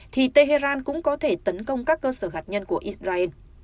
thì tehran cũng có thể tấn công các cơ sở hạt nhân của israel